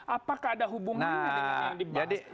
apakah ada hubungan ini yang dibahas